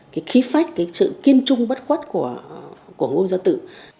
cái khí phách cái sự kiên trung bất khuất của ngô gia tự